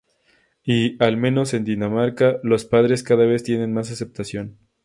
Y —al menos en Dinamarca— los padres cada vez tienen más aceptación.